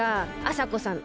あさこさん